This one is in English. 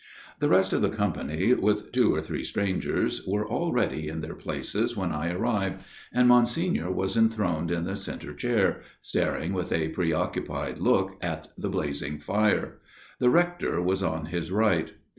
The rest of the company, with two or three strangers, were already in their places when I arrived ; and Monsignor was enthroned in the centre chair, staring with a preoccupied look at the blazing fire. The Rector was on his right.